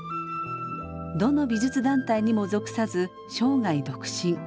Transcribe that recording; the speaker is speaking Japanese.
どの美術団体にも属さず生涯独身。